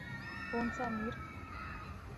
کون سا امیر۔